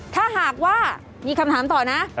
ถ้าหากว่ามีคำถามต่อนะ